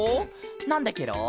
なんでケロ？